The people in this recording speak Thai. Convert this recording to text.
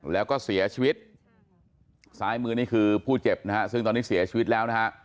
แล้วก็เสียชีวิตซ้ายมือนี่คือผู้เจ็บนะฮะซึ่งตอนนี้เสียชีวิตแล้วนะฮะ